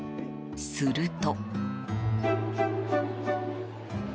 すると。